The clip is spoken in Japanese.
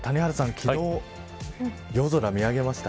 昨日、夜空見上げました。